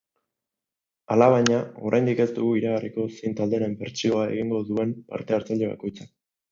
Alabaina, oraindik ez dugu iragarriko zein talderen bertsioa egingo duen parte-hartzaile bakoitzak.